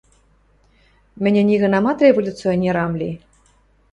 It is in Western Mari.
– Мӹньӹ нигынамат революционер ам ли!